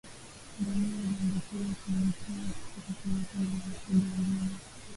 Ngamia aliyeambukizwa hujitenga kutoka kwenye kundi la mifugo wengine